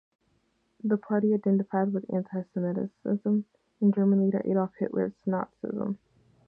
The party identified with antisemitism, and German leader Adolf Hitler's Nazism.